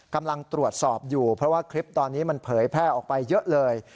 กำลังตรวจสอบอยู่เพราะว่าคลิปตอนนี้มันเผยแพร่ออกไปเยอะเลย